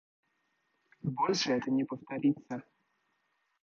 Больше это не повторится.